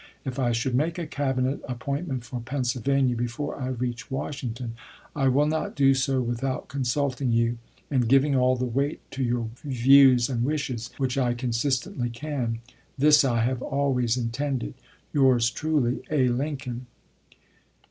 If I should make a Cabinet appointment for Penn. before I reach Washington, I will not do so with out consulting you, and giving all the weight to your views and wishes which I consistently can. This I have always intended. Yours truly? A. Lincoln.